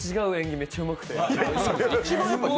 めちゃうまくて。